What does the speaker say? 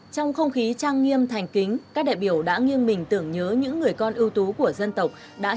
trong không khí trang nghiêm thành kính các đại biểu đã nghiêng mình tưởng nhớ những người con ưu tú của dân tộc